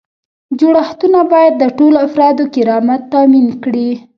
جوړښتونه باید د ټولو افرادو کرامت تامین کړي.